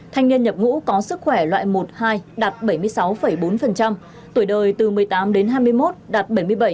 thanh niên nhập ngũ có sức khỏe loại một hai đạt bảy mươi sáu bốn tuổi đời từ một mươi tám đến hai mươi một đạt bảy mươi bảy